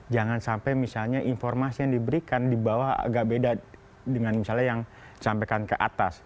jangan sampai misalnya informasi yang diberikan di bawah agak beda dengan misalnya yang disampaikan ke atas